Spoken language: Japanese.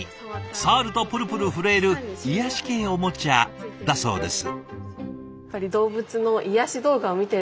触るとプルプル震える癒やし系おもちゃだそうです。